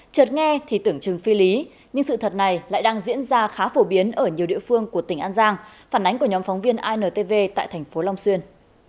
trượt nghe thì tưởng chừng phi lý nhưng sự thật này lại đang diễn ra khá phổ biến ở nhiều địa phương của tỉnh an giang phản ánh của nhóm phóng viên intv tại thành phố long xuyên